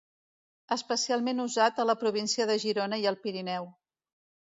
Especialment usat a la província de Girona i al Pirineu.